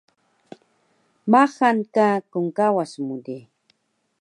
Maxal ka knkawas mu di